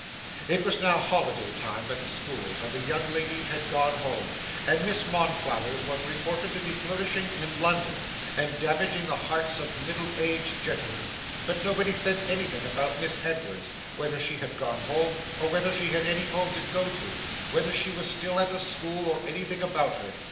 It was now holiday time at the schools, and the young ladies had gone home, and Miss Monflathers was reported to be flourishing in London, and damaging the hearts of middle aged gentlemen, but nobody said anything about Miss Edwards, whether she had gone home, or whether she had any home to go to, whether she was still at the school, or anything about her.